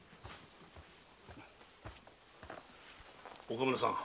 岡村さん！